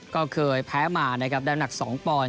ก็เคยแพ้หมาในแดมหนัก๒ปอน